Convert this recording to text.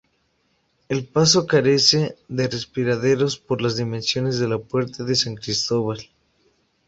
El paso carece de respiraderos por las dimensiones de la puerta de San Cristóbal.